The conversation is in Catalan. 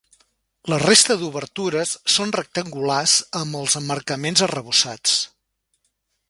La resta d'obertures són rectangulars amb els emmarcaments arrebossats.